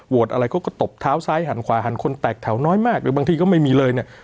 อะไรเขาก็ตบเท้าซ้ายหันขวาหันคนแตกแถวน้อยมากหรือบางทีก็ไม่มีเลยเนี่ย